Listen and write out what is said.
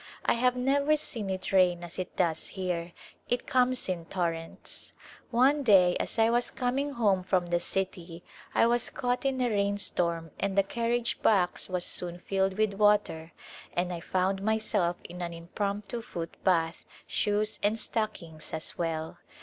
I have never seen it rain as it does here ; it comes in torrents. One day as I was coming home from the city I was caught in a rain storm and the carriage box was soon filled with water and I found myself in an impromptu foot bath, shoes and stockings as well.